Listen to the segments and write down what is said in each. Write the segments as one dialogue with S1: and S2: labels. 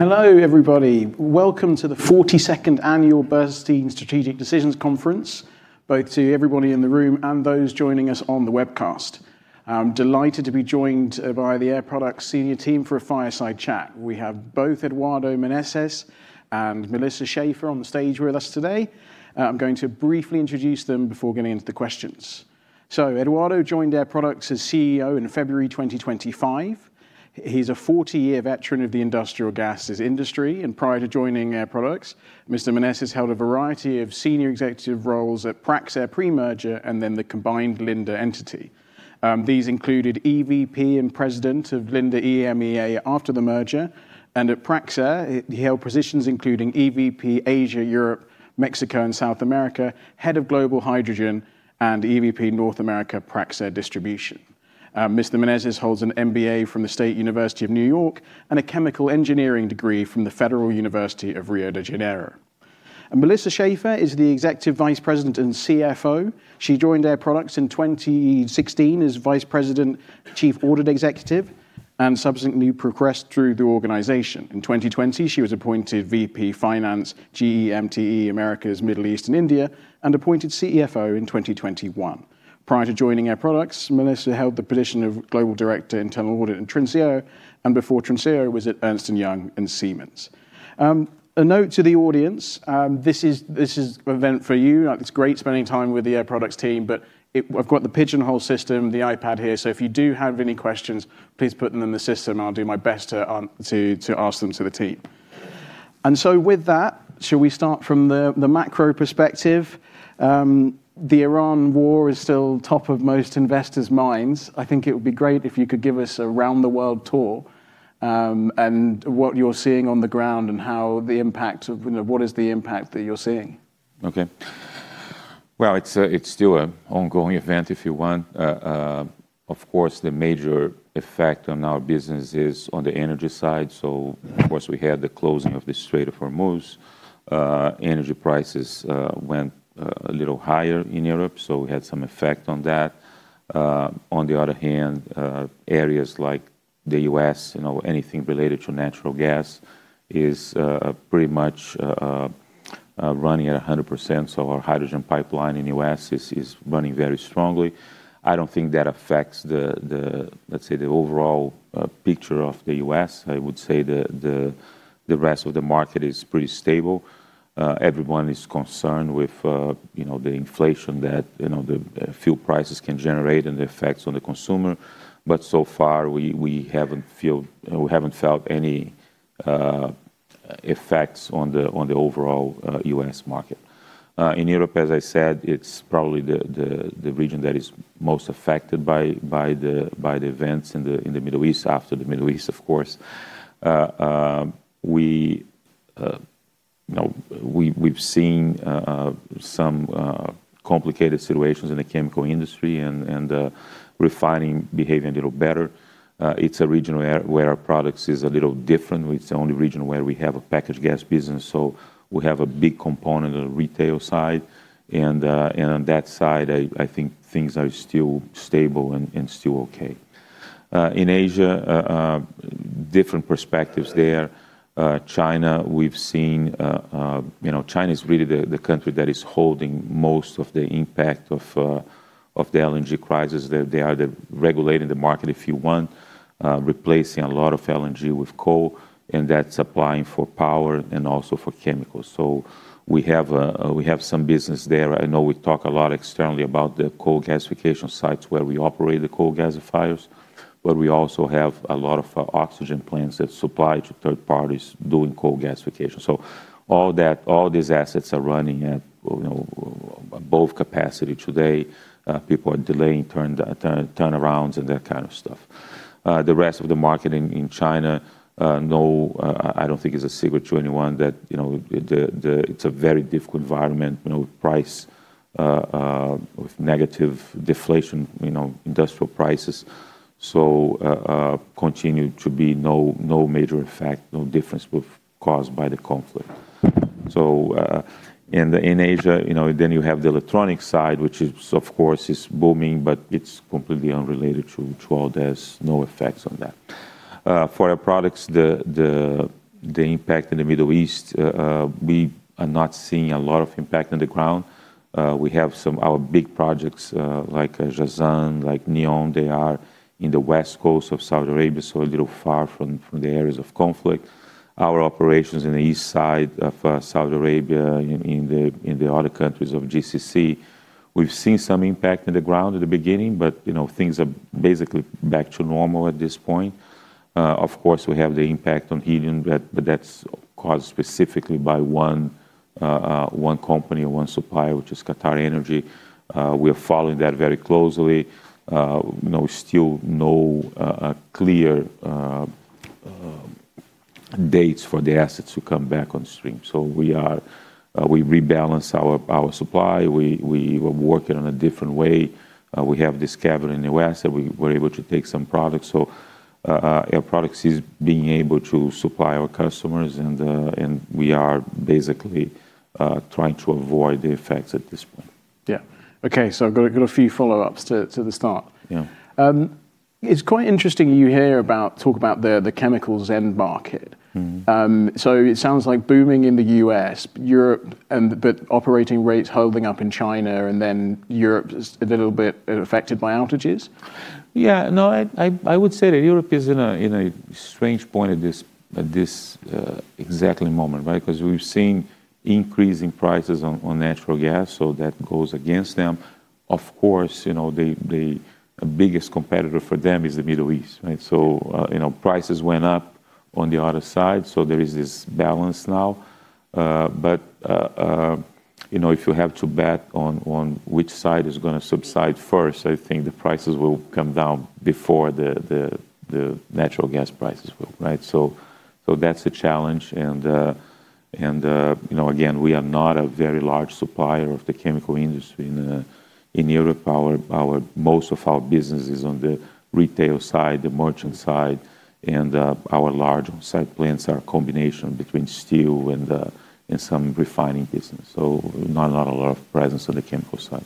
S1: Hello, everybody. Welcome to the 42nd Annual Bernstein Strategic Decisions Conference, both to everybody in the room and those joining us on the webcast. I'm delighted to be joined by the Air Products Senior team for a fireside chat. We have both Eduardo Menezes and Melissa Schaeffer on the stage with us today. I'm going to briefly introduce them before getting into the questions. Eduardo joined Air Products as CEO in February 2025. He's a 40-year veteran of the industrial gases industry, and prior to joining Air Products, Mr. Menezes held a variety of Senior Executive roles at Praxair pre-merger, and then the combined Linde entity. These included EVP and President of Linde EMEA after the merger, and at Praxair, he held positions including EVP, Asia, Europe, Mexico, and South America, Head of Global Hydrogen, and EVP, North America, Praxair Distribution. Mr. Menezes holds an MBA from the State University of New York and a chemical engineering degree from the Federal University of Rio de Janeiro. Melissa Schaeffer is the Executive Vice President and CFO. She joined Air Products in 2016 as Vice President, Chief Audit Executive, and subsequently progressed through the organization. In 2020, she was appointed VP, Finance, GEMTE, Americas, Middle East, and India, and appointed CFO in 2021. Prior to joining Air Products, Melissa held the position of Global Director, Internal Audit in Trinseo, and before Trinseo was at Ernst & Young and Siemens. A note to the audience. This is an event for you. It's great spending time with the Air Products team, but I've got the Pigeonhole system, the iPad here, so if you do have any questions, please put them in the system and I'll do my best to ask them to the team. With that, should we start from the macro perspective? The Iran war is still top of most investors' minds. I think it would be great if you could give us a round-the-world tour, and what you're seeing on the ground and what is the impact that you're seeing.
S2: Okay. Well, it's still an ongoing event, if you want. Of course, the major effect on our business is on the energy side. Of course, we had the closing of the Strait of Hormuz. Energy prices went a little higher in Europe, we had some effect on that. On the other hand, areas like the U.S., anything related to natural gas is pretty much running at 100%, our hydrogen pipeline in the U.S. is running very strongly. I don't think that affects, let's say, the overall picture of the U.S. I would say the rest of the market is pretty stable. Everyone is concerned with the inflation that the fuel prices can generate and the effects on the consumer. So far, we haven't felt any effects on the overall U.S. market. In Europe, as I said, it's probably the region that is most affected by the events in the Middle East, after the Middle East, of course. We've seen some complicated situations in the chemical industry and refining behaving a little better. It's a region where Air Products is a little different. It's the only region where we have a packaged gas business, so we have a big component of the retail side. On that side, I think things are still stable and still okay. In Asia, different perspectives there. China is really the country that is holding most of the impact of the LNG crisis. They are regulating the market, if you want, replacing a lot of LNG with coal, and that's applying for power and also for chemicals. We have some business there. I know we talk a lot externally about the coal gasification sites where we operate the coal gasifiers, but we also have a lot of oxygen plants that supply to third parties doing coal gasification. All these assets are running at both capacity today. People are delaying turnarounds and that kind of stuff. The rest of the market in China, I don't think it's a secret to anyone that it's a very difficult environment with price, with negative deflation, industrial prices. Continue to be no major effect, no difference caused by the conflict. In Asia, you have the electronic side, which of course is booming, but it's completely unrelated to all this, no effects on that. For Air Products, the impact in the Middle East, we are not seeing a lot of impact on the ground. We have some our big projects, like Jazan, like NEOM, they are in the west coast of Saudi Arabia, so a little far from the areas of conflict. Our operations in the east side of Saudi Arabia, in the other countries of GCC, we've seen some impact on the ground at the beginning, but things are basically back to normal at this point. Of course, we have the impact on helium, but that's caused specifically by one company or one supplier, which is QatarEnergy. We are following that very closely. Still no clear dates for the assets to come back on stream. We rebalance our supply. We were working in a different way. We have this cavern in the U.S. that we were able to take some products. Air Products is being able to supply our customers, and we are basically trying to avoid the effects at this point.
S1: Yeah. Okay, I've got a few follow-ups to the start.
S2: Yeah.
S1: It's quite interesting you talk about the chemicals end-market. It sounds like booming in the U.S., but operating rates holding up in China, and then Europe is a little bit affected by outages.
S2: Yeah. No, I would say that Europe is in a strange point at this exact moment, right? We're seeing increasing prices on natural gas, so that goes against them. Of course, the biggest competitor for them is the Middle East. Prices went up on the other side, so there is this balance now. If you have to bet on which side is going to subside first, I think the prices will come down before the natural gas prices will. That's a challenge and, again, we are not a very large supplier of the chemical industry in Europe. Most of our business is on the retail side, the merchant side, and our large on-site plants are a combination between steel and some refining business. Not a lot of presence on the chemical side.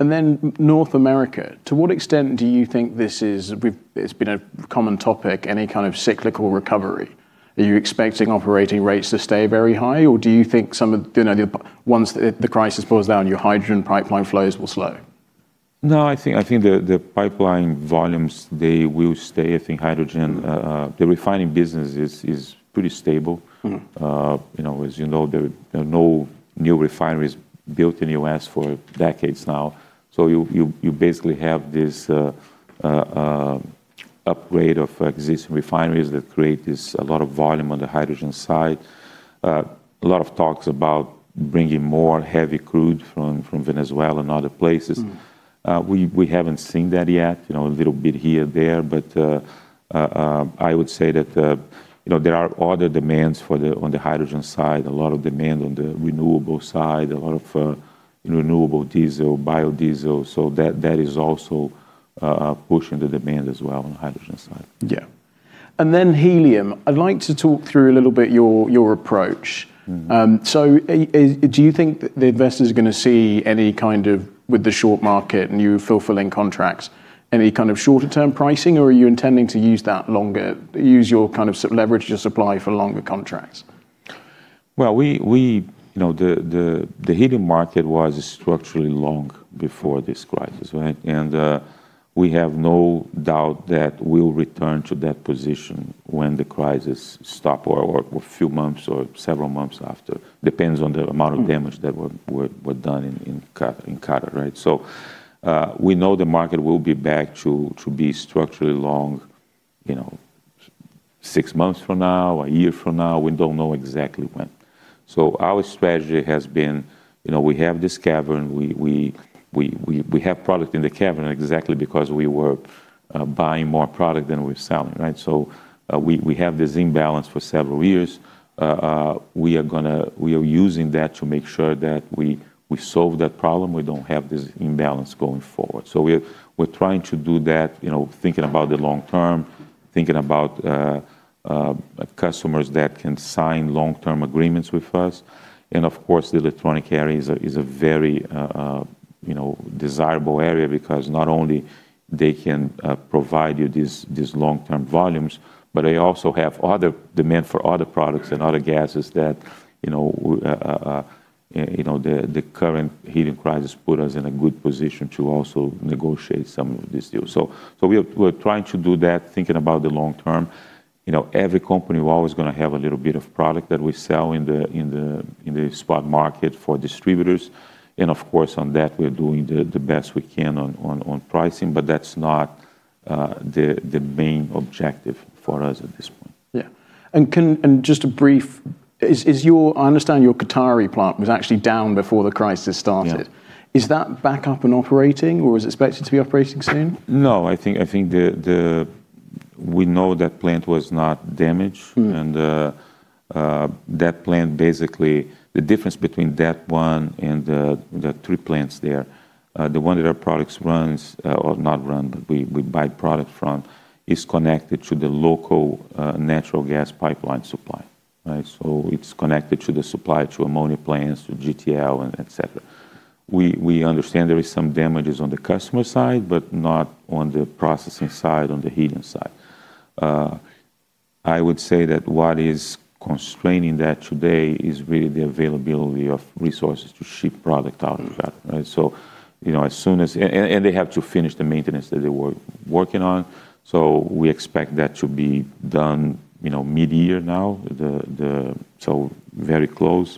S1: North America, to what extent do you think this is, it's been a common topic, any kind of cyclical recovery? Are you expecting operating rates to stay very high, or do you think once the crisis blows down, your hydrogen pipeline flows will slow?
S2: No, I think the pipeline volumes, they will stay. I think hydrogen, the refining business is pretty stable. As you know, there are no new refineries built in U.S. for decades now. You basically have this upgrade of existing refineries that create a lot of volume on the hydrogen side. A lot of talks about bringing more heavy crude from Venezuela and other places. We haven't seen that yet. A little bit here, there, but I would say that there are other demands on the hydrogen side, a lot of demand on the renewable side, a lot of renewable diesel, biodiesel, so that is also pushing the demand as well on the hydrogen side.
S1: Yeah. Helium, I'd like to talk through a little bit your approach. Do you think that the investors are going to see any kind of, with the short market and you fulfilling contracts, any kind of shorter-term pricing, or are you intending to leverage your supply for longer contracts?
S2: Well, the helium market was structurally long before this crisis, right? We have no doubt that we'll return to that position when the crisis stop or a few months or several months after. Depends on the amount of damage that were done in Qatar, right? We know the market will be back to be structurally long six months from now, a year from now. We don't know exactly when. Our strategy has been, we have this cavern, we have product in the cavern exactly because we were buying more product than we're selling, right? We have this imbalance for several years. We are using that to make sure that we solve that problem, we don't have this imbalance going forward. We're trying to do that, thinking about the long term, thinking about customers that can sign long-term agreements with us. The electronic area is a very desirable area because not only they can provide you these long-term volumes, but they also have other demand for other products and other gases that the current helium crisis put us in a good position to also negotiate some of these deals. We are trying to do that, thinking about the long term. Every company, we're always going to have a little bit of product that we sell in the spot market for distributors. Of course, on that, we're doing the best we can on pricing, but that's not the main objective for us at this point.
S1: Yeah. I understand your Qatari plant was actually down before the crisis started.
S2: Yeah.
S1: Is that back up and operating, or is it expected to be operating soon?
S2: No. We know that plant was not damaged. Basically, the difference between that one and the three plants there, the one that Air Products runs, or not run, but we buy product from, is connected to the local natural gas pipeline supply. It's connected to the supply to ammonia plants, to GTL, and et cetera. We understand there is some damages on the customer side, but not on the processing side, on the helium side. I would say that what is constraining that today is really the availability of resources to ship product out of Qatar. They have to finish the maintenance that they were working on. We expect that to be done mid-year now, very close.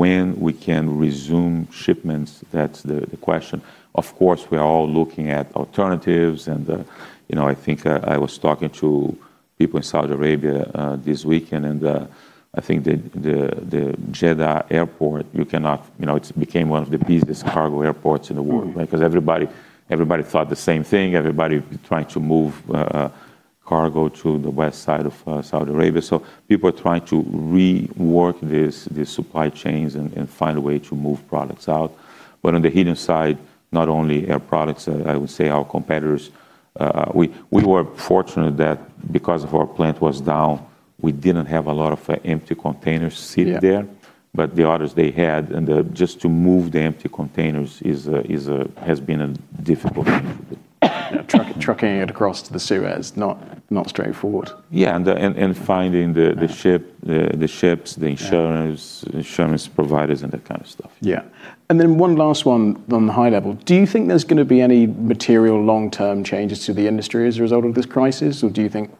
S2: When we can resume shipments, that's the question. Of course, we are all looking at alternatives and I think I was talking to people in Saudi Arabia this weekend, and I think the Jeddah Airport, it became one of the busiest cargo airports in the world. Because everybody thought the same thing. Everybody trying to move cargo to the west side of Saudi Arabia. People are trying to rework the supply chains and find a way to move products out. On the helium side, not only Air Products, I would say our competitors. We were fortunate that because our plant was down, we didn't have a lot of empty containers sitting there.
S1: Yeah.
S2: The others, they had, and just to move the empty containers has been a difficulty.
S1: Trucking it across to the Suez, not straightforward.
S2: Yeah. Finding the ships.
S1: Yeah
S2: the insurance providers, and that kind of stuff.
S1: Yeah. One last one from the high level. Do you think there's going to be any material long-term changes to the industry as a result of this crisis? Do you think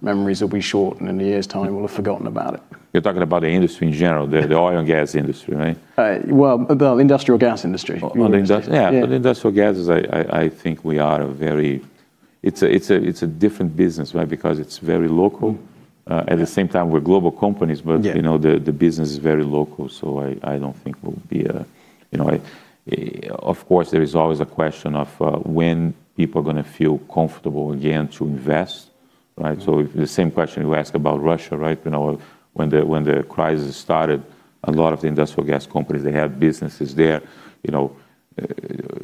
S1: memories will be short and in a year's time we'll have forgotten about it?
S2: You're talking about the industry in general, the oil and gas industry, right?
S1: Well, the industrial gas industry.
S2: Yeah. Industrial gases, I think it's a different business, right? It's very local. At the same time, we're global companies.
S1: Yeah
S2: The business is very local. Of course, there is always a question of when people are going to feel comfortable again to invest, right? The same question you asked about Russia, right? When the crisis started, a lot of the industrial gas companies, they had businesses there.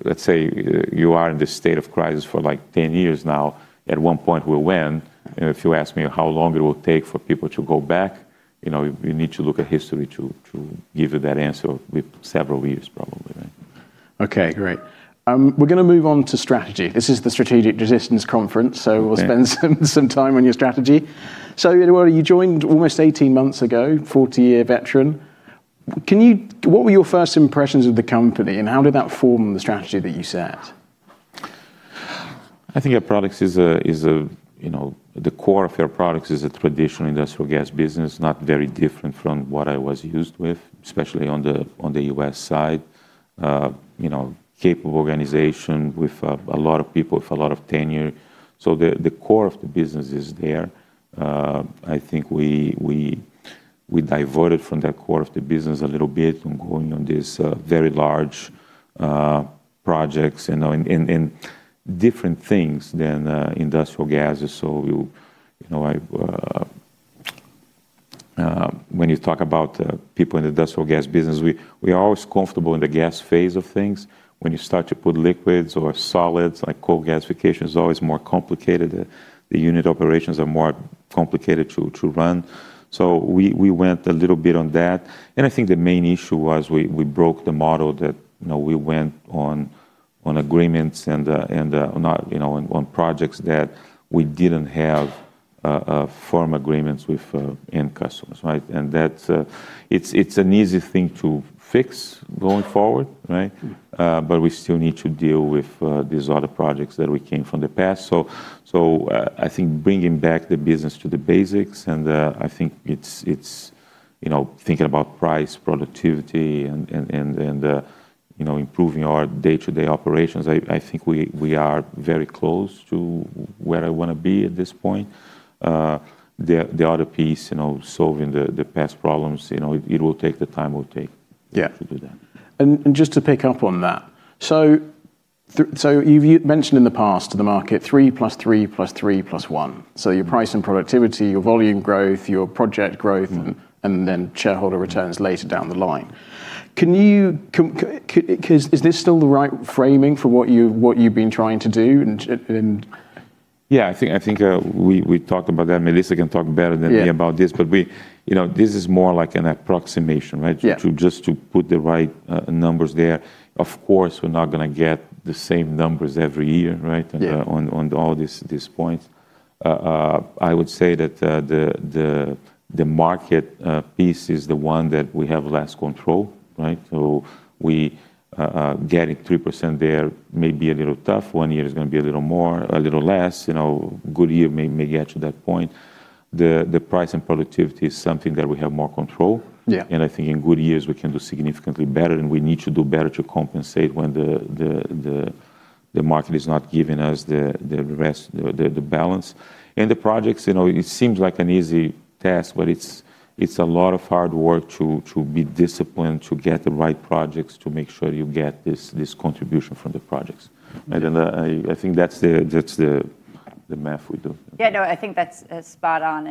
S2: Let's say you are in this state of crisis for 10 years now. At one point, we'll win. If you ask me how long it will take for people to go back, you need to look at history to give you that answer with several years, probably, right?
S1: Okay, great. We're going to move on to strategy. This is the Strategic Decisions Conference, we'll spend some time on your strategy. Eduardo, you joined almost 18 months ago, 40-year veteran. What were your first impressions of the company, and how did that form the strategy that you set?
S2: I think the core of Air Products is a traditional industrial gas business, not very different from what I was used with, especially on the U.S. side. Capable organization with a lot of people with a lot of tenure. The core of the business is there. I think we diverted from the core of the business a little bit from going on these very large projects, and different things than industrial gases. When you talk about people in the industrial gas business, we are always comfortable in the gas phase of things. When you start to put liquids or solids, like coal gasification is always more complicated. The unit operations are more complicated to run. We went a little bit on that. I think the main issue was we broke the model that we went on agreements on projects that we didn't have firm agreements with end customers, right? It's an easy thing to fix going forward, right? We still need to deal with these other projects that we came from the past. I think bringing back the business to the basics, and I think it's thinking about price, productivity, and improving our day-to-day operations. I think we are very close to where I want to be at this point. The other piece, solving the past problems, it will take the time it will take.
S1: Yeah
S2: to do that.
S1: Just to pick up on that. You've mentioned in the past to the market, three plus three plus three plus one. Your price and productivity, your volume growth, your project growth. Shareholder returns later down the line. Is this still the right framing for what you've been trying to do, and-
S2: Yeah, I think we talked about that. Melissa can talk better than me about this.
S1: Yeah.
S2: This is more like an approximation, right?
S1: Yeah.
S2: Just to put the right numbers there. Of course, we're not going to get the same numbers every year, right?
S1: Yeah.
S2: On all these points. I would say that the market piece is the one that we have less control, right? Getting 3% there may be a little tough. One year is going to be a little more, a little less. Good year may get to that point. The price and productivity is something that we have more control.
S1: Yeah.
S2: I think in good years, we can do significantly better, and we need to do better to compensate when the market is not giving us the balance. The projects, it seems like an easy task, but it's a lot of hard work to be disciplined, to get the right projects, to make sure you get this contribution from the projects.
S1: Right.
S2: I think that's the math we do.
S3: Yeah, no, I think that's spot on.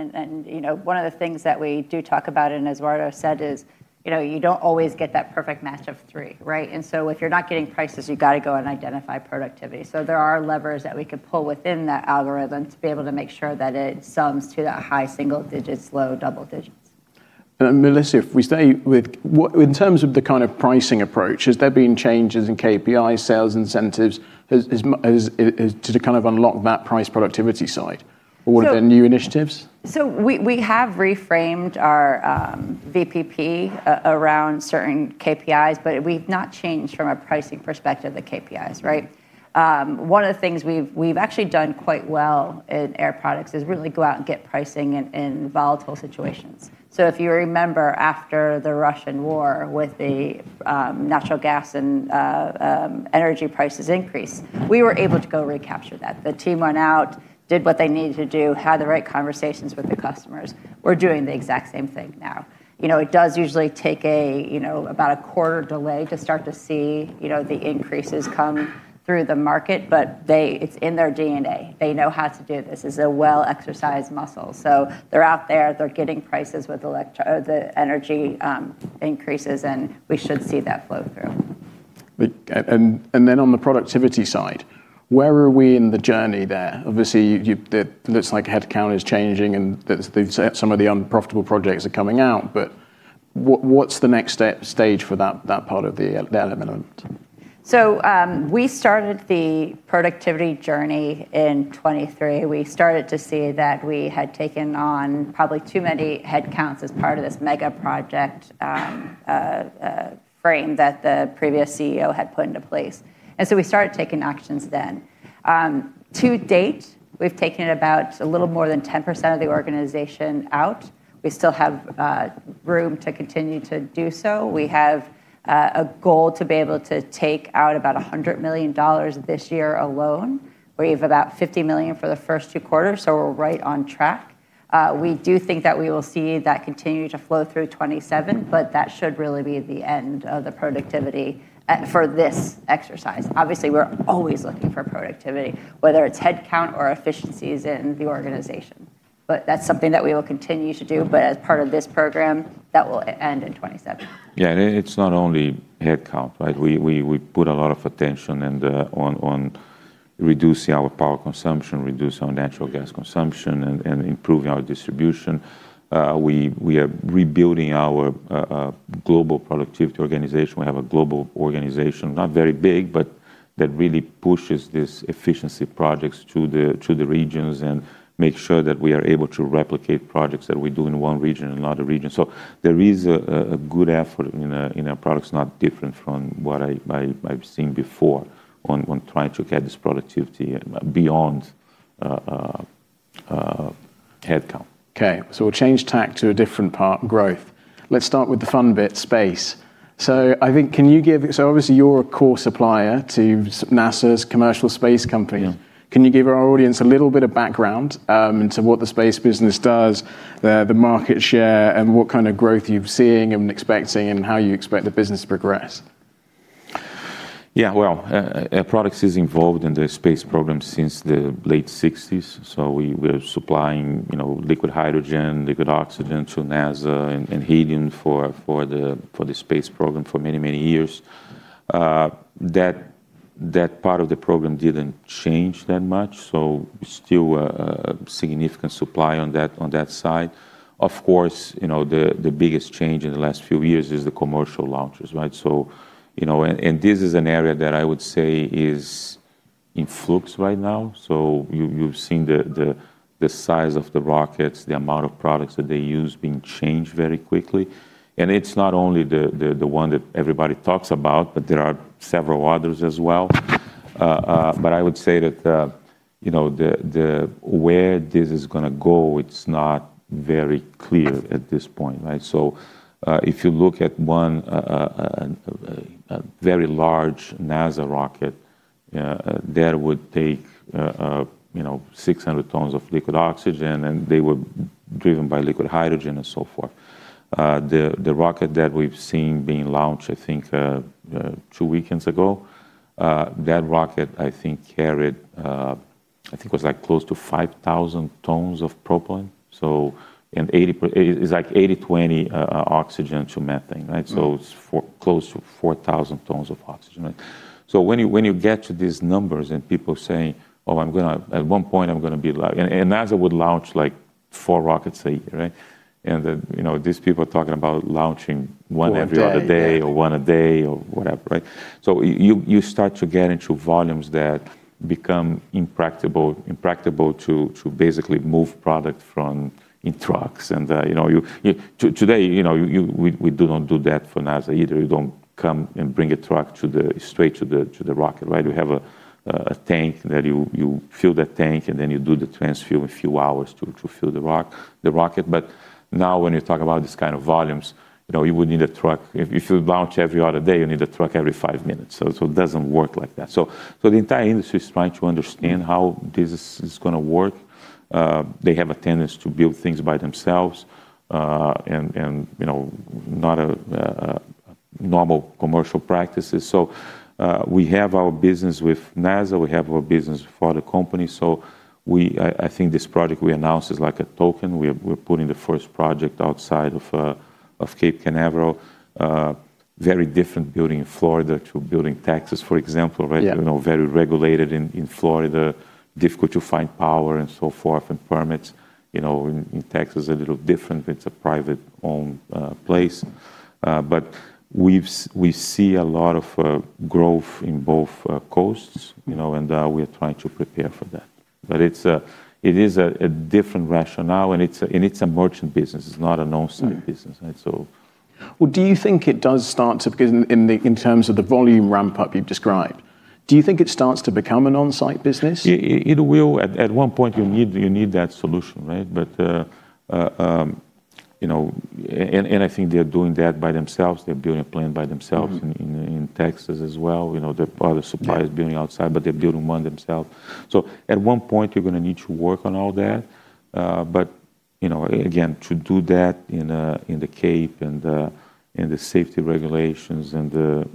S3: One of the things that we do talk about, and as Eduardo said, is you don't always get that perfect match of three, right? If you're not getting prices, you got to go and identify productivity. There are levers that we could pull within that algorithm to be able to make sure that it sums to that high single digits, low double digits.
S1: Melissa, in terms of the kind of pricing approach, has there been changes in KPI sales incentives to kind of unlock that price productivity side? Or were there new initiatives?
S3: We have reframed our VPP around certain KPIs, but we've not changed from a pricing perspective, the KPIs, right. One of the things we've actually done quite well in Air Products is really go out and get pricing in volatile situations. If you remember after the Russian war with the natural gas and energy prices increase, we were able to go recapture that. The team went out, did what they needed to do, had the right conversations with the customers. We're doing the exact same thing now. It does usually take about a quarter delay to start to see the increases come through the market, but it's in their DNA. They know how to do this. This is a well-exercised muscle. They're out there, they're getting prices with the energy increases, and we should see that flow through.
S1: On the productivity side, where are we in the journey there? Obviously, it looks like headcount is changing and that some of the unprofitable projects are coming out, but what's the next stage for that part of the element?
S3: We started the productivity journey in 2023. We started to see that we had taken on probably too many headcounts as part of this mega project frame that the previous CEO had put into place, and so we started taking actions then. To-date, we've taken about a little more than 10% of the organization out. We still have room to continue to do so. We have a goal to be able to take out about $100 million this year alone. We have about $50 million for the first two quarters, so we're right on track. We do think that we will see that continue to flow through 2027, but that should really be the end of the productivity for this exercise. Obviously, we're always looking for productivity, whether it's headcount or efficiencies in the organization. That's something that we will continue to do, but as part of this program, that will end in 2027.
S2: It's not only headcount, right? We put a lot of attention on reducing our power consumption, reducing our natural gas consumption, and improving our distribution. We are rebuilding our global productivity organization. We have a global organization, not very big, but that really pushes these efficiency projects to the regions and makes sure that we are able to replicate projects that we do in one region in another region. There is a good effort in Air Products, not different from what I've seen before, on trying to get this productivity beyond headcount.
S1: Okay, we'll change tack to a different part, growth. Let's start with the fun bit, space. Obviously, you're a core supplier to NASA's commercial space company.
S2: Yeah.
S1: Can you give our audience a little bit of background into what the space business does there, the market share, and what kind of growth you're seeing and expecting, and how you expect the business to progress?
S2: Air Products is involved in the space program since the late '60s, so we were supplying liquid hydrogen, liquid oxygen to NASA, and helium for the space program for many, many years. That part of the program didn't change that much, so still a significant supply on that side. Of course, the biggest change in the last few years is the commercial launches, right? This is an area that I would say is in flux right now. You've seen the size of the rockets, the amount of products that they use being changed very quickly, and it's not only the one that everybody talks about, but there are several others as well. I would say that where this is going to go, it's not very clear at this point, right? If you look at one, a very large NASA rocket that would take 600 tons of liquid oxygen, and they were driven by liquid hydrogen and so forth. The rocket that we've seen being launched, I think, two weekends ago, that rocket, I think, carried, I think it was close to 5,000 tons of propellant, so it's like 80/20 oxygen to methane, right? It's close to 4,000 tons of oxygen. When you get to these numbers and people say, at one point, I'm going to be large. NASA would launch, like, four rockets a year, right? These people are talking about launching one every.
S1: One a day.
S2: other day or one a day or whatever, right? You start to get into volumes that become impracticable to basically move product from, in trucks. Today, we do not do that for NASA, either. You don't come and bring a truck straight to the rocket, right? We have a tank that you fill the tank, and then you do the transfer with a few hours to fill the rocket. Now, when you talk about these kind of volumes, if you launch every other day, you need a truck every five minutes. It doesn't work like that. The entire industry is trying to understand how this is going to work. They have a tendency to build things by themselves, and not a normal commercial practices. We have our business with NASA. We have our business for the company. I think this project we announced is like a token. We're putting the first project outside of Cape Canaveral. Very different building in Florida to building in Texas, for example, right?
S1: Yeah.
S2: Very regulated in Florida, difficult to find power and so forth, and permits. In Texas, a little different. It's a private-owned place. We see a lot of growth in both coasts, and we are trying to prepare for that. It is a different rationale, and it's a merchant business. It's not an on-site business.
S1: Well, do you think it does start to, because in terms of the volume ramp-up you've described, do you think it starts to become an on-site business?
S2: It will. At one point, you need that solution, right? I think they're doing that by themselves. They're building a plant by themselves. in Texas as well. The other supply.
S1: Yeah
S2: building outside, but they're building one themselves. At one point, you're going to need to work on all that. Again, to do that in the Cape, and the safety regulations and the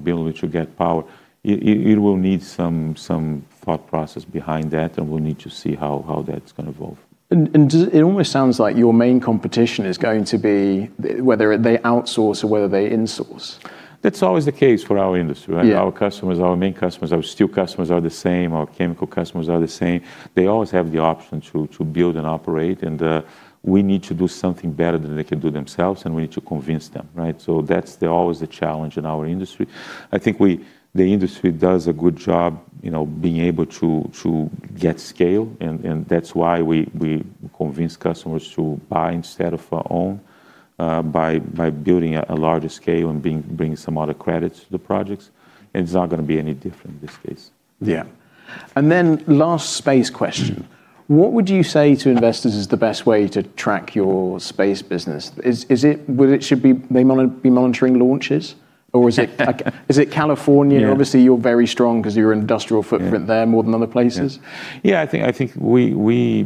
S2: ability to get power, it will need some thought process behind that, and we'll need to see how that's going to evolve.
S1: It almost sounds like your main competition is going to be whether they outsource or whether they insource.
S2: That's always the case for our industry, right?
S1: Yeah.
S2: Our main customers, our steel customers are the same, our chemical customers are the same. They always have the option to build and operate, we need to do something better than they can do themselves, we need to convince them, right? That's always a challenge in our industry. I think the industry does a good job being able to get scale, that's why we convince customers to buy instead of for own, by building a larger scale and bringing some other credits to the projects. It's not going to be any different in this case.
S1: Yeah. Last space question. What would you say to investors is the best way to track your space business? Should they be monitoring launches? Is it California?
S2: Yeah.
S1: Obviously, you're very strong because of your industrial footprint there more than other places.
S2: Yeah. I think we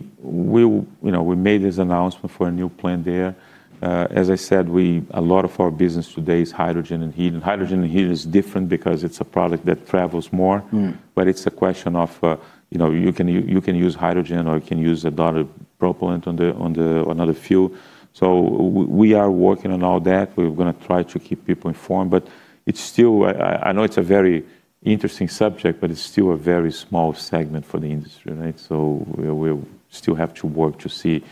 S2: made this announcement for a new plant there. As I said, a lot of our business today is hydrogen and helium, and hydrogen and helium is different because it's a product that travels more. It's a question of, you can use hydrogen or you can use a lot of propellant on another fuel. We are working on all that. We're going to try to keep people informed, but I know it's a very interesting subject, but it's still a very small segment for the industry, right? We'll still have to work to see.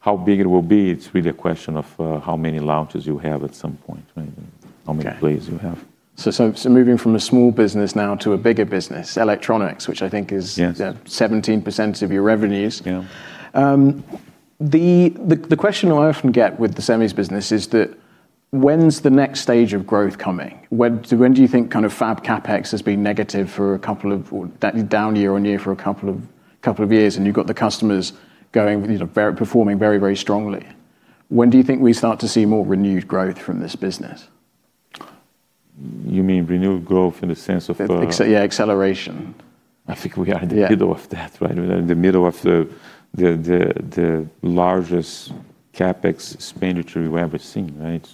S2: How big it will be, it's really a question of how many launches you have at some point, right?
S1: Okay.
S2: How many planes you have?
S1: Moving from a small business now to a bigger business, electronics.
S2: Yes
S1: 17% of your revenues.
S2: Yeah.
S1: The question I often get with the semis business is that when's the next stage of growth coming? When do you think kind of Fab CapEx has been negative for a couple of, or down year-on-year for a couple of years, and you've got the customers performing very, very strongly. When do you think we start to see more renewed growth from this business?
S2: You mean renewed growth in the sense of.
S1: Yeah, acceleration.
S2: I think we are in the middle of that, right? We're in the middle of the largest CapEx expenditure we've ever seen, right?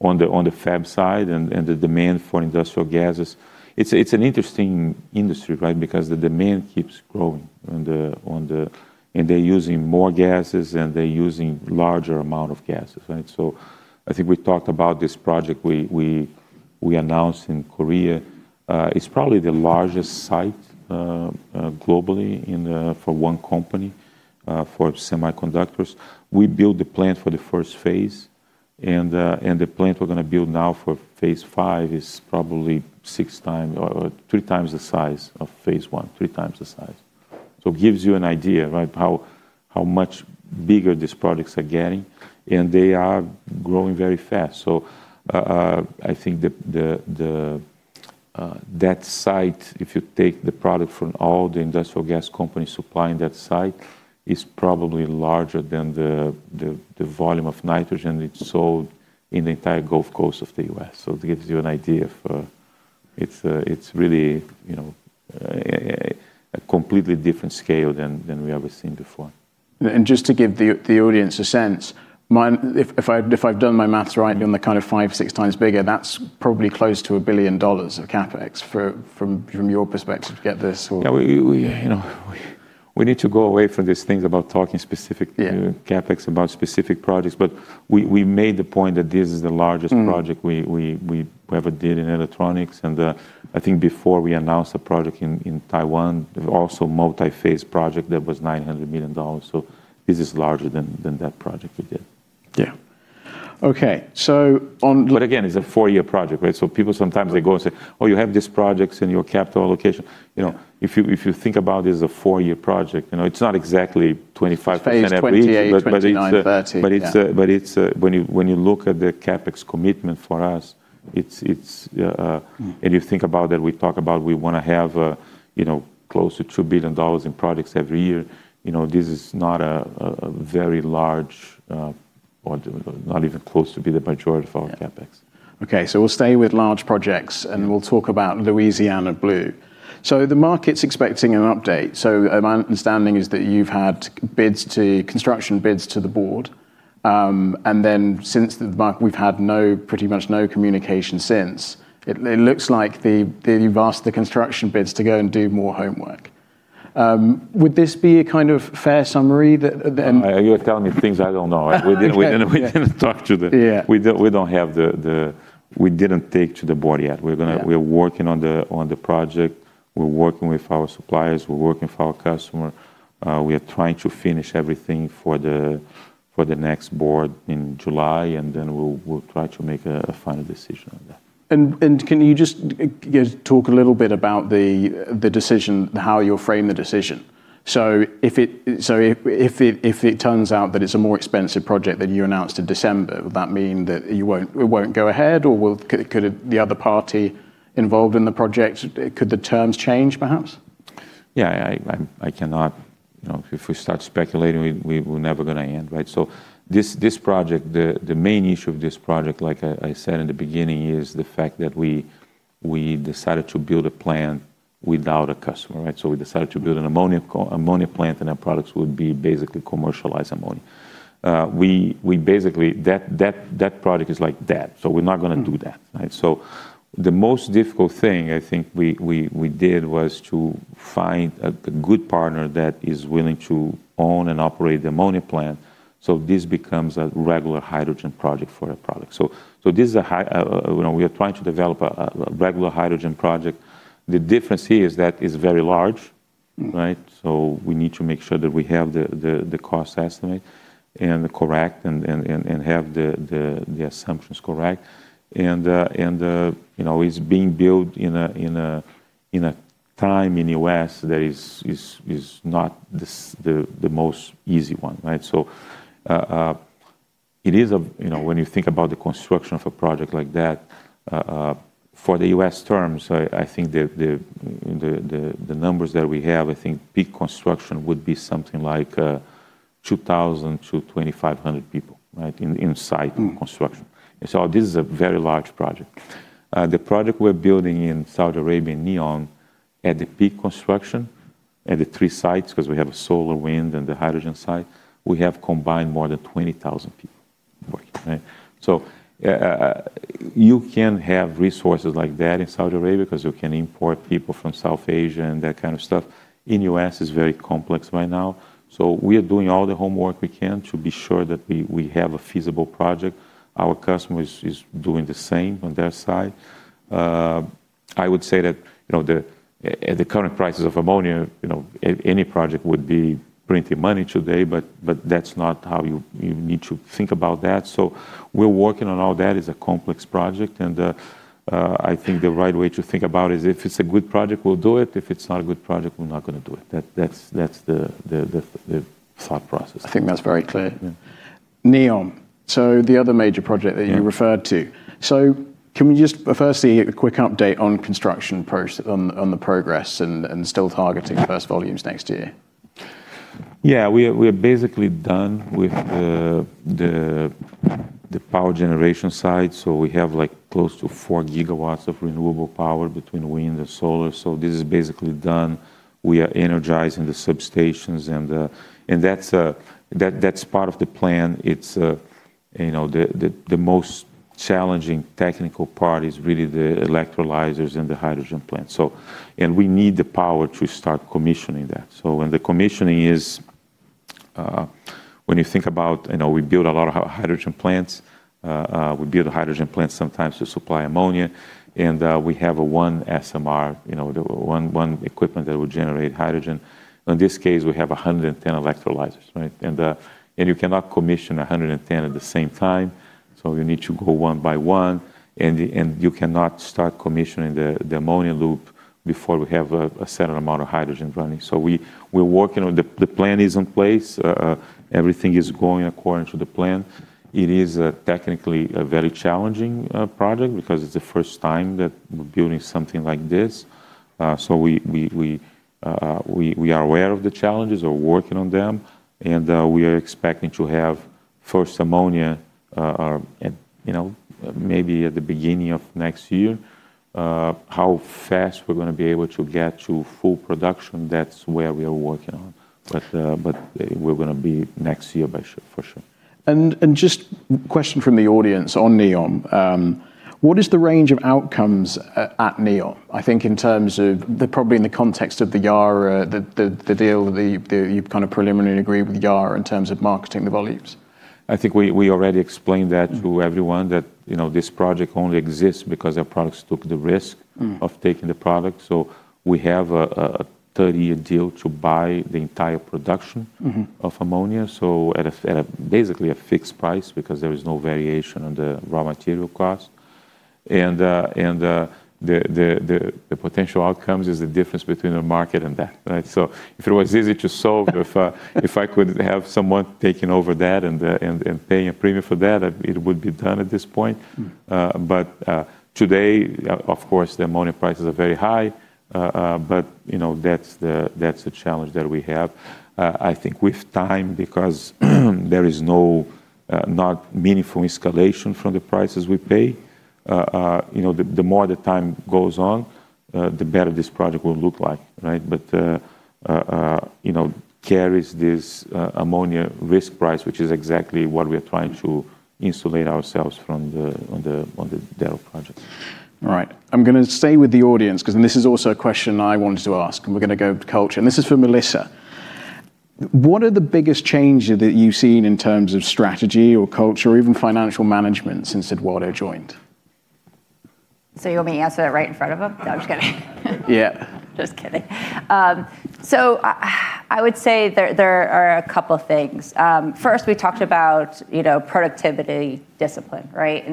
S2: On the Fab side and the demand for industrial gases, it's an interesting industry, right? Because the demand keeps growing, and they're using more gases, and they're using larger amount of gases. Right? I think we talked about this project we announced in Korea. It's probably the largest site globally for one company, for semiconductors. We built the plant for the first phase, and the plant we're going to build now for phase 5 is probably three times the size of phase 1. Three times the size. It gives you an idea, right? How much bigger these products are getting, and they are growing very fast. I think that site, if you take the product from all the industrial gas companies supplying that site, is probably larger than the volume of nitrogen that's sold in the entire Gulf Coast of the U.S. It gives you an idea. It's really a completely different scale than we ever seen before.
S1: Just to give the audience a sense, if I've done my math right, on the kind of five, six times bigger, that's probably close to $1 billion of CapEx from your perspective to get this.
S2: Yeah, we need to go away from these things about talking.
S1: Yeah
S2: CapEx about specific projects, we made the point that this is the largest project we ever did in electronics. I think before we announced a project in Taiwan, also multi-phase project that was $900 million. This is larger than that project we did.
S1: Yeah. Okay.
S2: Again, it's a four-year project, right? People sometimes they go and say, oh, you have these projects in your capital allocation. If you think about this as a four-year project, it's not exactly 25%.
S1: Phase 28, 29, 30.
S2: When you look at the CapEx commitment for us, and you think about that we talk about we want to have close to $2 billion in products every year, this is not a very large or not even close to be the majority of our CapEx.
S1: Yeah. Okay, we'll stay with large projects, and we'll talk about Louisiana Blue. The market's expecting an update. My understanding is that you've had construction bids to the board, since the market, we've had pretty much no communication since. It looks like you've asked the construction bids to go and do more homework. Would this be a kind of fair summary?
S2: You're telling me things I don't know.
S1: Okay.
S2: We didn't talk to the-
S1: Yeah
S2: We didn't take to the Board yet.
S1: Yeah.
S2: We're working on the project. We're working with our suppliers, we're working with our customer. We are trying to finish everything for the next Board in July, and then we'll try to make a final decision on that.
S1: Can you just talk a little bit about the decision, how you'll frame the decision? If it turns out that it's a more expensive project than you announced in December, would that mean that it won't go ahead, or could the other party involved in the project, could the terms change, perhaps?
S2: Yeah, if we start speculating, we're never going to end, right? This project, the main issue of this project, like I said in the beginning, is the fact that we decided to build a plant without a customer, right? We decided to build an ammonia plant, and our products would be basically commercialized ammonia. That product is like that, so we're not going to do that. Right? The most difficult thing I think we did was to find a good partner that is willing to own and operate the ammonia plant. This becomes a regular hydrogen project for our product. We are trying to develop a regular hydrogen project. The difference here is that it's very large. Right. We need to make sure that we have the cost estimate and correct and have the assumptions correct. It's being built in a time in the U.S. that is not the most easy one. Right? When you think about the construction of a project like that for the U.S. terms, I think the numbers that we have, I think peak construction would be something like 2,000-2,500 people, right, inside construction. This is a very large project. The project we're building in Saudi Arabia, NEOM, at the peak construction at the three sites, because we have a solar, wind, and the hydrogen site, we have combined more than 20,000 people working. Right? You can have resources like that in Saudi Arabia because you can import people from South Asia and that kind of stuff. In U.S., it's very complex right now. We are doing all the homework we can to be sure that we have a feasible project. Our customer is doing the same on their side. I would say that at the current prices of ammonia, any project would be printing money today, but that's not how you need to think about that. We're working on all that. It's a complex project. I think the right way to think about it is if it's a good project, we'll do it. If it's not a good project, we're not going to do it. That's the thought process.
S1: I think that's very clear.
S2: Yeah.
S1: NEOM, the other major project that you referred to.
S2: Yeah.
S1: Can we just firstly get a quick update on the progress and still targeting first volumes next year?
S2: Yeah. We are basically done with the power generation side. We have close to 4 GW of renewable power between wind and solar. This is basically done. We are energizing the substations, and that's part of the plan. The most challenging technical part is really the electrolyzers and the hydrogen plant. We need the power to start commissioning that. When you think about, we build a lot of hydrogen plants. We build a hydrogen plant sometimes to supply ammonia, and we have one SMR, one equipment that will generate hydrogen. In this case, we have 110 electrolyzers, right? You cannot commission 110 at the same time, so you need to go one by one, and you cannot start commissioning the ammonia loop before we have a certain amount of hydrogen running. The plan is in place. Everything is going according to the plan. It is technically a very challenging project because it's the first time that we're building something like this. We are aware of the challenges, are working on them, and we are expecting to have first ammonia maybe at the beginning of next year. How fast we're going to be able to get to full production, that's where we are working on. We're going to be next year, for sure.
S1: Just question from the audience on NEOM? What is the range of outcomes at NEOM? I think in terms of, probably in the context of the Yara, the deal that you've kind of preliminarily agreed with Yara in terms of marketing the volumes.
S2: I think we already explained that to everyone, that this project only exists because our partners took the risk of taking the product. We have a 30-year deal to buy the entire production of ammonia, at basically a fixed price because there is no variation on the raw material cost. The potential outcomes is the difference between the market and that, right? If I could have someone taking over that and paying a premium for that, it would be done at this point. Today, of course, the ammonia prices are very high. That's the challenge that we have. I think with time, because there is not meaningful escalation from the prices we pay, the more the time goes on, the better this project will look like. Right? This project carries this ammonia risk price, which is exactly what we're trying to insulate ourselves from the Darrow Project.
S1: All right. I'm going to stay with the audience because, and this is also a question I wanted to ask, and we're going to go to culture. This is for Melissa. What are the biggest changes that you've seen in terms of strategy or culture or even financial management since Eduardo joined?
S3: You want me to answer that right in front of him? No, I'm just kidding.
S1: Yeah.
S3: Just kidding. I would say there are a couple things. First, we talked about productivity discipline, right?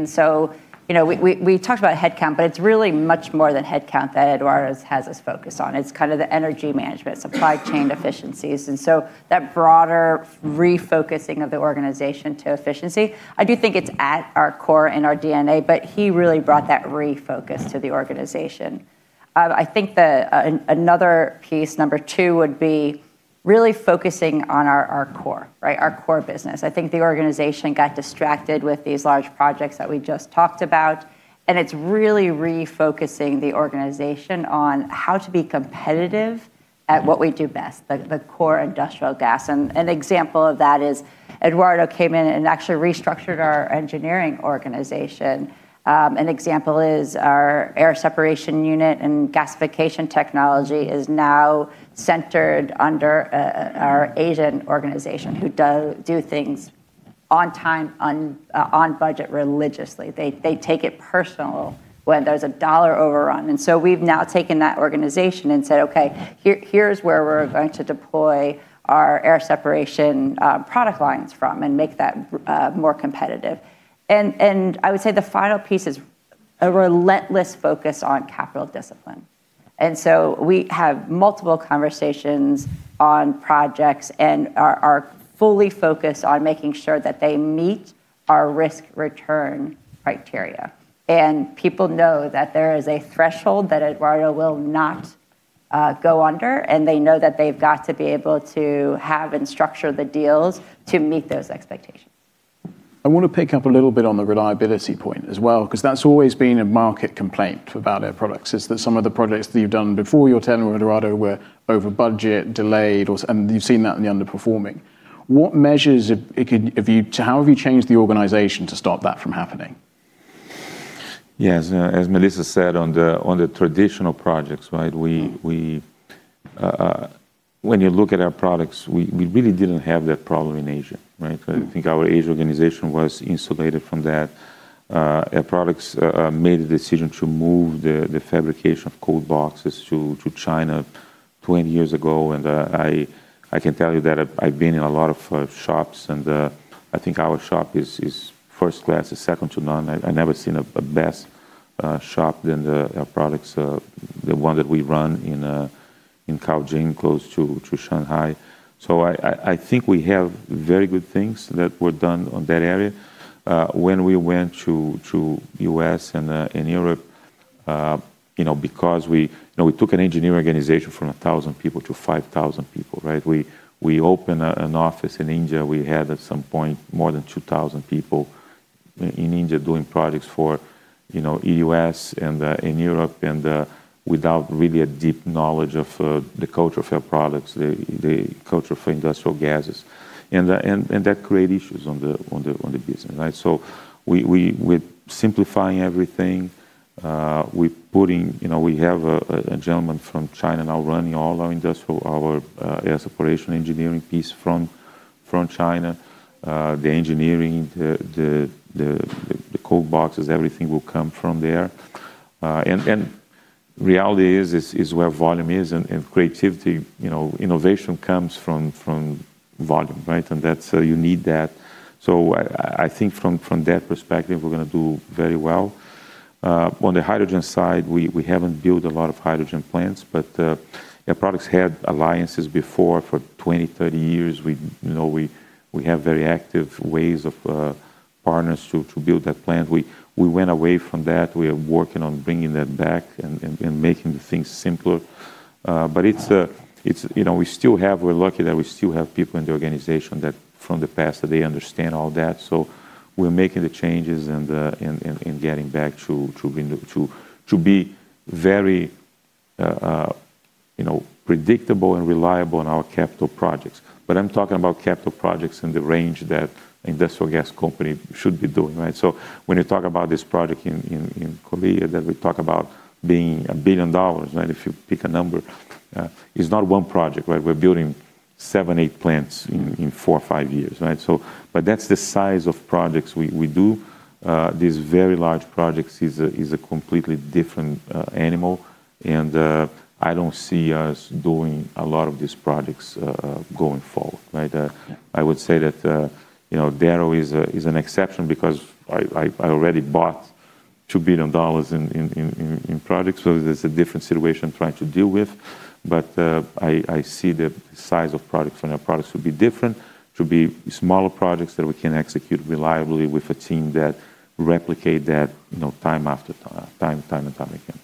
S3: We talked about headcount, but it's really much more than headcount that Eduardo has us focused on. It's the energy management, supply chain efficiencies, that broader refocusing of the organization to efficiency. I do think it's at our core in our DNA, but he really brought that refocus to the organization. I think another piece, number two, would be really focusing on our core, right, our core business. I think the organization got distracted with these large projects that we just talked about, and it's really refocusing the organization on how to be competitive at what we do best, the core industrial gas. An example of that is Eduardo came in and actually restructured our engineering organization. An example is our air separation unit and gasification technology is now centered under our Asian organization who do things on time, on budget religiously. They take it personal when there's a dollar overrun. We've now taken that organization and said, okay, here's where we're going to deploy our air separation product lines from and make that more competitive. I would say the final piece is a relentless focus on capital discipline. We have multiple conversations on projects and are fully focused on making sure that they meet our risk-return criteria. People know that there is a threshold that Eduardo will not go under, and they know that they've got to be able to have and structure the deals to meet those expectations.
S1: I want to pick up a little bit on the reliability point as well, because that's always been a market complaint about Air Products, is that some of the projects that you've done before your tenure at Air Products were over budget, delayed, and you've seen that in the underperforming. How have you changed the organization to stop that from happening?
S2: Yes. As Melissa said, on the traditional projects, when you look at our products, we really didn't have that problem in Asia, right? I think our Asia organization was insulated from that. Air Products made a decision to move the fabrication of cold boxes to China 20 years ago. I can tell you that I've been in a lot of shops, and I think our shop is first class, is second to none. I never seen a best shop than the Air Products, the one that we run in Caojing, close to Shanghai. I think we have very good things that were done on that area. When we went to U.S. and Europe, because we took an engineering organization from 1,000 people to 5,000 people, right? We opened an office in India. We had, at some point, more than 2,000 people in India doing projects for U.S. and in Europe, without really a deep knowledge of the culture of Air Products, the culture for industrial gases, that create issues on the business, right? We're simplifying everything. We have a gentleman from China now running all our industrial, our air separation engineering piece from China. The engineering, the cold boxes, everything will come from there. Reality is where volume is and creativity, innovation comes from volume, right? You need that. I think from that perspective, we're going to do very well. On the hydrogen side, we haven't built a lot of hydrogen plants, Air Products had alliances before for 20-30 years. We have very active ways of partners to build that plant. We went away from that. We are working on bringing that back and making the things simpler. We're lucky that we still have people in the organization that from the past, that they understand all that. We're making the changes and getting back to be very predictable and reliable in our capital projects. I'm talking about capital projects in the range that industrial gas company should be doing, right? When you talk about this project in Colombia, that we talk about being a billion dollars, right, if you pick a number, it's not one project, right? We're building seven to eight plants in four or five years. That's the size of projects we do. These very large projects is a completely different animal, and I don't see us doing a lot of these projects going forward, right?
S1: Yeah.
S2: I would say that Darrow is an exception because I already bought $2 billion in products. There's a different situation I'm trying to deal with. I see the size of products from Air Products will be different, to be smaller projects that we can execute reliably with a team that replicate that time after time and time again.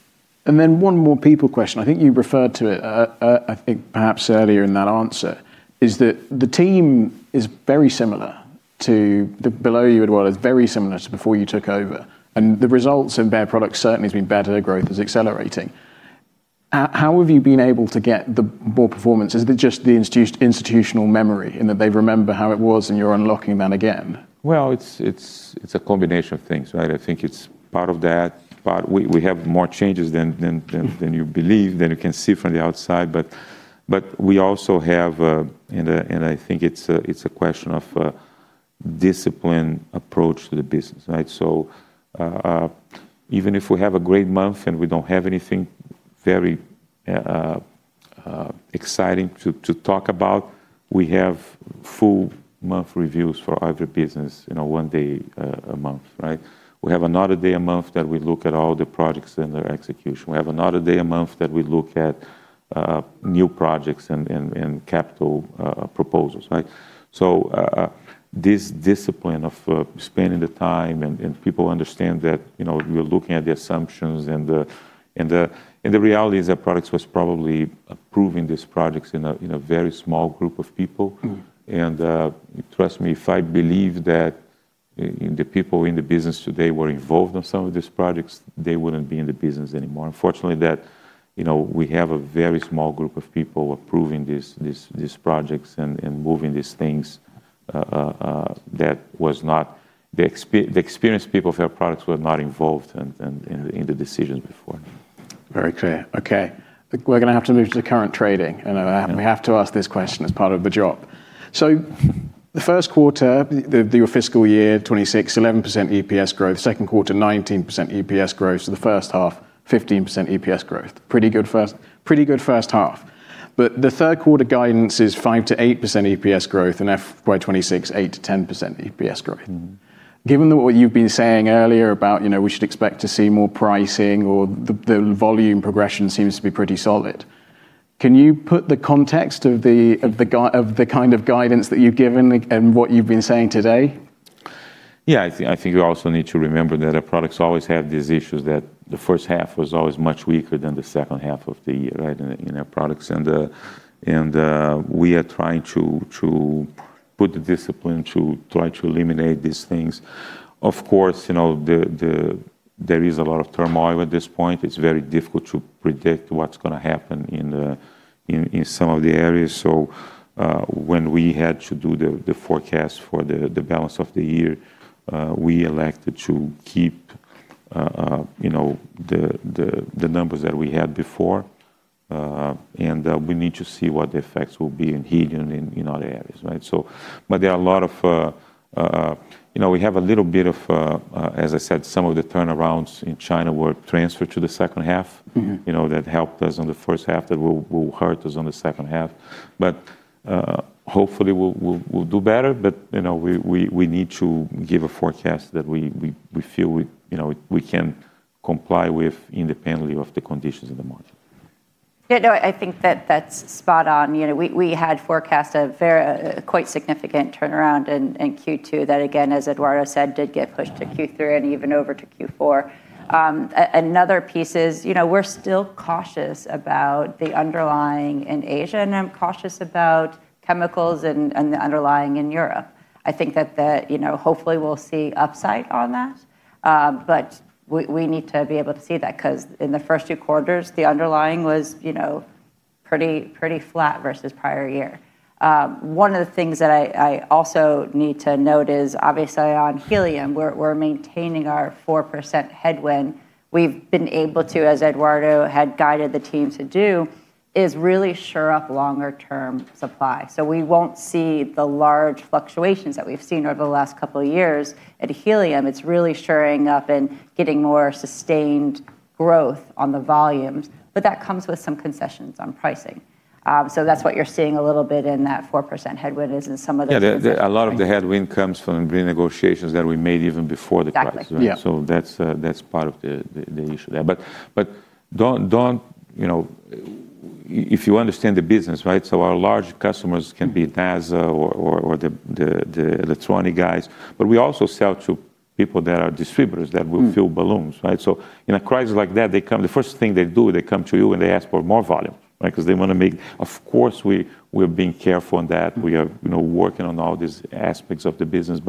S1: One more people question. I think you referred to it, I think perhaps earlier in that answer, is that the team below you, Eduardo, is very similar to before you took over, and the results in Air Products certainly has been better. The growth is accelerating. How have you been able to get the more performance? Is it just the institutional memory in that they remember how it was and you're unlocking that again?
S2: Well, it's a combination of things, right? I think it's part of that. We have more changes than you believe, than you can see from the outside. We also have, and I think it's a question of a discipline approach to the business, right? Even if we have a great month and we don't have anything very exciting to talk about, we have full month reviews for every business one day a month, right? We have another day a month that we look at all the projects and their execution. We have another day a month that we look at new projects and capital proposals, right? This discipline of spending the time, and people understand that we're looking at the assumptions, and the reality is Air Products was probably approving these projects in a very small group of people. Trust me, if I believe that the people in the business today were involved in some of these projects, they wouldn't be in the business anymore. Unfortunately, we have a very small group of people approving these projects and moving these things. The experienced people of Air Products were not involved in the decisions before.
S1: Very clear. Okay. We're going to have to move to the current trading, and we have to ask this question as part of the job. The first quarter of your fiscal year 2026, 11% EPS growth. Second quarter, 19% EPS growth. The first half, 15% EPS growth. Pretty good first half. The third quarter guidance is 5%-8% EPS growth, and FY 2026, 8%-10% EPS growth. Given what you've been saying earlier about we should expect to see more pricing or the volume progression seems to be pretty solid, can you put the context of the kind of guidance that you've given and what you've been saying today?
S2: Yeah. I think you also need to remember that Air Products always have these issues that the first half was always much weaker than the second half of the year in Air Products. We are trying to put the discipline to try to eliminate these things. Of course, there is a lot of turmoil at this point. It's very difficult to predict what's going to happen in some of the areas. When we had to do the forecast for the balance of the year, we elected to keep the numbers that we had before. We need to see what the effects will be in helium and in other areas. We have a little bit of, as I said, some of the turnarounds in China were transferred to the second half that helped us in the first half, that will hurt us on the second half. Hopefully we'll do better. We need to give a forecast that we feel we can comply with independently of the conditions of the market.
S3: Yeah. No, I think that that's spot on. We had forecast a quite significant turnaround in Q2 that, again, as Eduardo said, did get pushed to Q3 and even over to Q4. Another piece is we're still cautious about the underlying in Asia, and I'm cautious about chemicals and the underlying in Europe. I think that hopefully we'll see upside on that. We need to be able to see that because in the first two quarters, the underlying was pretty flat versus prior year. One of the things that I also need to note is obviously on helium, we're maintaining our 4% headwind. We've been able to, as Eduardo had guided the team to do, is really shore up longer term supply. We won't see the large fluctuations that we've seen over the last couple of years. At helium, it's really shoring up and getting more sustained growth on the volumes. That comes with some concessions on pricing. That's what you're seeing a little bit in that 4% headwind.
S2: Yeah. A lot of the headwind comes from the renegotiations that we made even before the crisis.
S3: Exactly.
S1: Yeah.
S2: That's part of the issue there. If you understand the business, our large customers can be NASA or the 20 guys, but we also sell to people that are distributors that will fill balloons. In a crisis like that, the first thing they do, they come to you, and they ask for more volume. Of course, we're being careful on that. We are working on all these aspects of the business.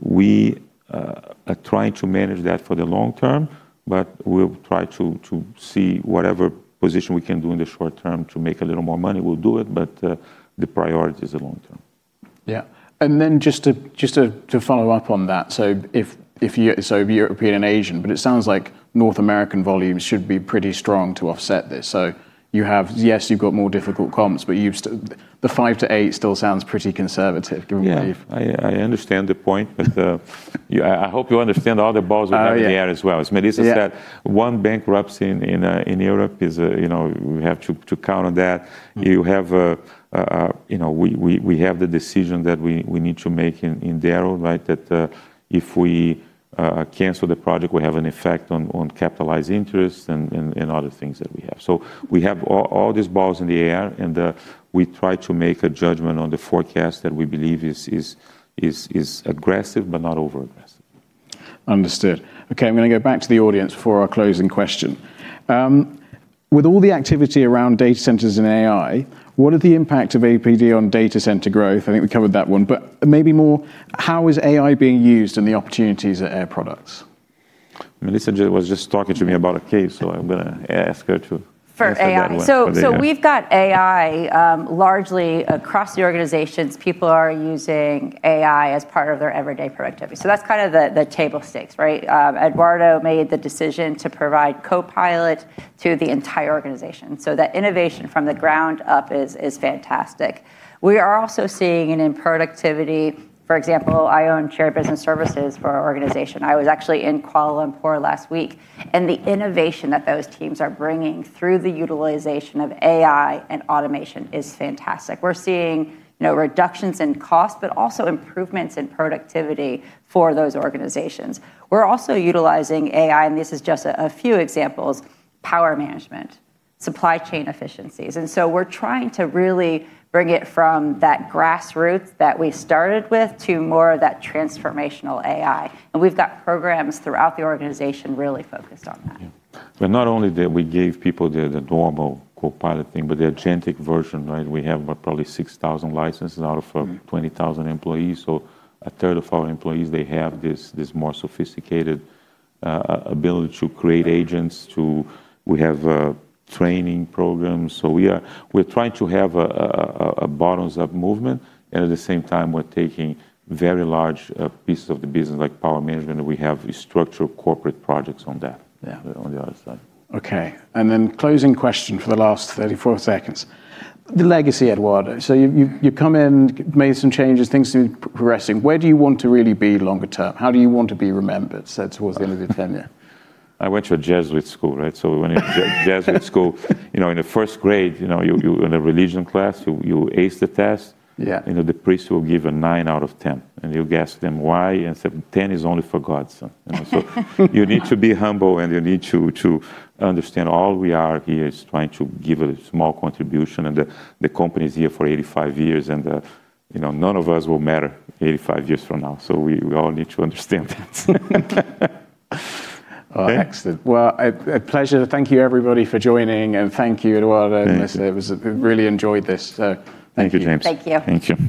S2: We are trying to manage that for the long term, but we'll try to see whatever position we can do in the short term to make a little more money. We'll do it, but the priority is the long term.
S1: Yeah. Just to follow up on that, European and Asian, but it sounds like North American volumes should be pretty strong to offset this. Yes, you've got more difficult comps, the 5% to 8% still sounds pretty conservative, given what you've-
S2: Yeah. I understand the point, but I hope you understand all the balls we have in the air as well. As Melissa said, one bankruptcy in Europe is we have to count on that. We have the decision that we need to make in Darrow, that if we cancel the project, we have an effect on capitalized interest and other things that we have. We have all these balls in the air, and we try to make a judgment on the forecast that we believe is aggressive, but not over-aggressive.
S1: Understood. Okay, I'm going to go back to the audience for our closing question. With all the activity around data centers and AI, what are the impact of APD on data center growth? I think we covered that one. Maybe more, how is AI being used and the opportunities at Air Products?
S2: Melissa was just talking to me about a case, so I'm going to ask her to answer that one.
S3: For AI. We've got AI largely across the organizations. People are using AI as part of their everyday productivity. That's kind of the table stakes. Eduardo made the decision to provide Copilot to the entire organization. That innovation from the ground up is fantastic. We are also seeing it in productivity. For example, I own shared business services for our organization. I was actually in Kuala Lumpur last week, and the innovation that those teams are bringing through the utilization of AI and automation is fantastic. We're seeing reductions in cost, but also improvements in productivity for those organizations. We're also utilizing AI, and this is just a few examples, power management, supply chain efficiencies, and so we're trying to really bring it from that grassroots that we started with to more of that transformational AI. We've got programs throughout the organization really focused on that.
S2: Not only that we gave people the normal Copilot thing, but the agentic version. We have probably 6,000 licenses out of 20,000 employees. A third of our employees, they have this more sophisticated ability to create agents. We have training programs. We're trying to have a bottoms-up movement, and at the same time, we're taking very large pieces of the business, like power management, and we have structural corporate projects on that,
S1: Yeah
S2: on the other side.
S1: Okay. Closing question for the last 34 seconds. The legacy, Eduardo. You've come in, made some changes, things are progressing. Where do you want to really be longer term? How do you want to be remembered towards the end of your tenure?
S2: I went to a Jesuit school. When in Jesuit school, in the first grade, in a religion class, you ace the test.
S1: Yeah
S2: The priest will give a nine out of 10, and you ask them why, and say, 10 is only for God, son. You need to be humble, and you need to understand all we are here is trying to give a small contribution, and the company's here for 85 years, and none of us will matter 85 years from now. We all need to understand that.
S1: Excellent. Well, a pleasure. Thank you everybody for joining, and thank you, Eduardo and Melissa. I really enjoyed this. Thank you.
S2: Thank you, James.
S3: Thank you.
S2: Thank you.